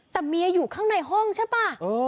แต่เมียอยู่ข้างในห้องใช่ป่ะ